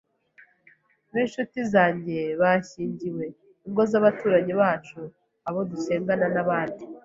b’inshuti zanjye bashyingiwe, ingo z’abaturanyi bacu, abo dusengana n’abandi.